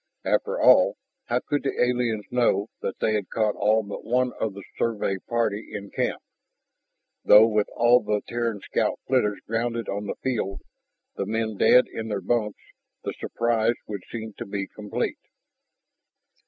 After all, how could the aliens know that they had caught all but one of the Survey party in camp? Though with all the Terran scout flitters grounded on the field, the men dead in their bunks, the surprise would seem to be complete.